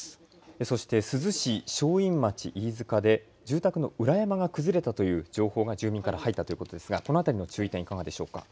そして、珠洲市正院町飯塚で住宅の裏山が崩れたという情報が住民から入ったということですがこの辺りの注意点いかがでしょうか。